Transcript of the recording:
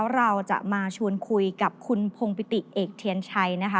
เราจะมาชวนคุยกับคุณพงปิติเอกเทียนชัยนะคะ